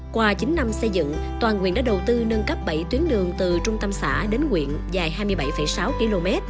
qua chín năm xây dựng toàn quyện đã đầu tư nâng cấp bảy tuyến đường từ trung tâm xã đến quyện dài hai mươi bảy sáu km